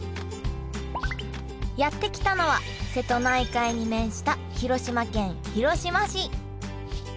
やって来たのは瀬戸内海に面した広島県広島市